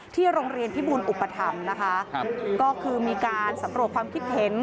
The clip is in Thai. ที่โรงเรียนพิบูรณ์อุปธรรมนะคะก็คือมีการสับปรับความคิดเห็น